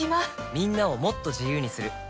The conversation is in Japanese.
みんなをもっと自由にする「三菱冷蔵庫」